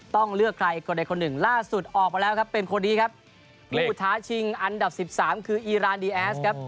ต้องเลือกใครคนใดคนหนึ่งล่าสุดออกมาแล้วครับเป็นคนดีครับผู้ท้าชิงอันดับสิบสามคืออีรานดีแอสครับ